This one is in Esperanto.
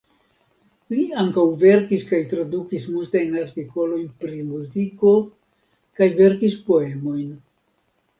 Li ankaŭ verkis kaj tradukis multajn artikolojn pri muziko kaj verkis poemojn.